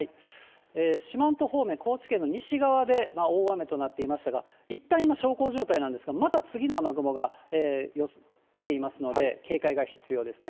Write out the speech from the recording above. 四万十方面、高知県の西側で大雨となっていましたが、いったん今小康状態なんですが、また次の雨雲が来ていますので、警戒が必要ですね。